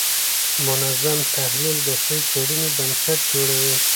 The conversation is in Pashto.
منظم تحلیل د ښې څېړني بنسټ جوړوي.